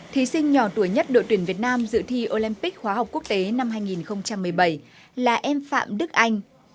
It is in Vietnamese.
thí sinh nhỏ tuổi nhất đội tuyển việt nam dự thi olympic hóa học quốc tế năm hai nghìn một mươi bảy là em phạm đức anh